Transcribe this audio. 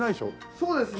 そうですね。